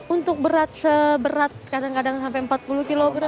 untuk berat seberat kadang kadang sampai empat puluh kg